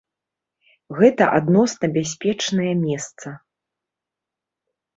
Гэта адносна бяспечнае месца.